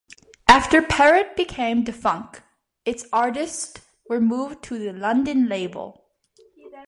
After Parrot became defunct, its artists were moved to the London label.